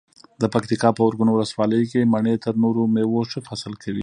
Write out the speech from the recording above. د پکتیکا په ارګون ولسوالۍ کې مڼې تر نورو مېوو ښه فصل کوي.